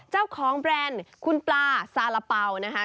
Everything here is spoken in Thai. เจ้าของแบรนด์คุณปลาซาระเป่านะฮะ